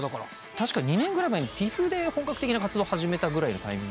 確か２年ぐらい前にＴＩＦで本格的な活動始めたぐらいのタイミング。